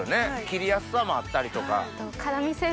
切りやすさもあったりとか。